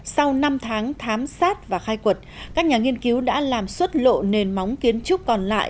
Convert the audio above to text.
xác và khai quật các nhà nghiên cứu đã làm xuất lộ nền móng kiến trúc còn lại